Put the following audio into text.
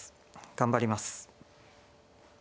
頑張ります。